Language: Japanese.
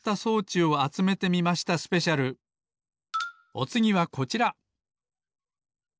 おつぎはこちら！